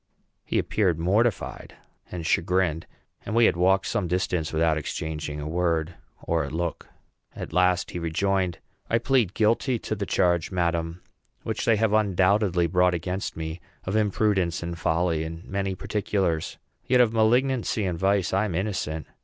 He appeared mortified and chagrined; and we had walked some distance without exchanging a word or a look. At last he rejoined, "I plead guilty to the charge, madam, which they have undoubtedly brought against me, of imprudence and folly in many particulars; yet of malignancy and vice I am innocent.